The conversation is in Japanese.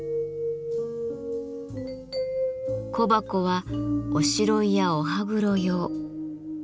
小箱はおしろいやお歯黒用。